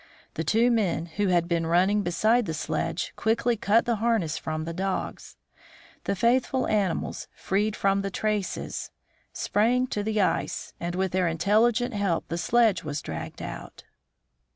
The two men, who had been run ning beside the sledge, quickly cut the harness from the dogs. The faithful animals, freed from the traces, sprang to the ice, and with their intelligent help the sledge was dragged out.